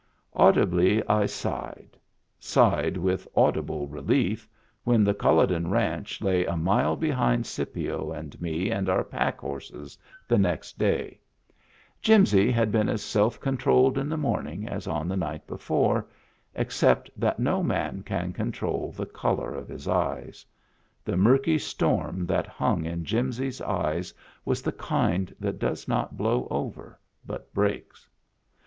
Audibly I sighed, sighed with audible relief, when the Culloden Ranch lay a mile behind Scipio and me and our packhorses the next day. Jimsy Digitized by Google THE DRAKE WHO HAD MEANS OF HIS OWN 313 had been as self controlled in the morning as on the night before — except that no man can control the color of his eyes. The murky storm that hung in Jimsy's eyes was the kind that does not blow over, but breaks.